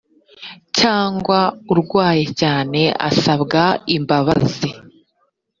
cyangwa urwaye cyane asabwa imbabazi